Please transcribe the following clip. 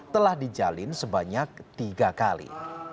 telah dijalin sebanyak tiga kali